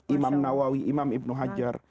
imam nawawi imam ibnu hajar